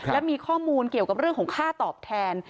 และมีข้อมูลเกี่ยวกับเรื่องของค่าตอบแทน